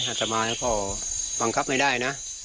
อัตมาก็บังคับไม่ได้นะ